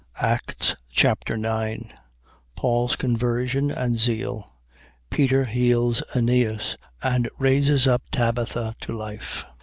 Acts Chapter 9 Paul's conversion and zeal. Peter heals Eneas and raises up Tabitha to life.